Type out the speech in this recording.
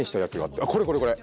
あっこれこれこれ。